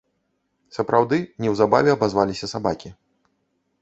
Сапраўды, неўзабаве абазваліся сабакі.